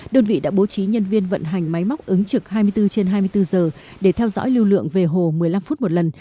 đơn vị đã bố trí nhân viên vận hành máy móc ứng trực hai mươi bốn trên hai mươi bốn giờ để theo dõi lưu lượng về hồ một mươi năm phút một lần